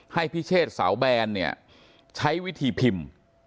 ให้พิเชศเสาแบรนค์ใช้วิธีพิมพ์